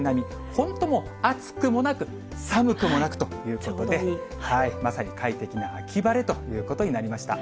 本当もう、暑くもなく、寒くもなくということで、まさに快適な秋晴れということになりました。